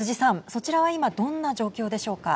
そちらは今どんな状況でしょうか。